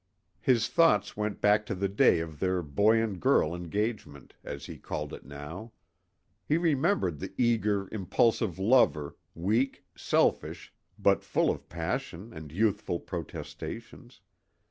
His thoughts went back to the day of their boy and girl engagement, as he called it now. He remembered the eager, impulsive lover, weak, selfish, but full of passion and youthful protestations.